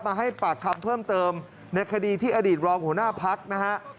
ให้ปากคำเพิ่มเติมในคดีที่อดีตรองหัวหน้าพักนะฮะ